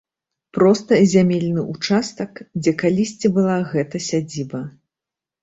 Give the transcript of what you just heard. Проста зямельны ўчастак, дзе калісьці была гэта сядзіба.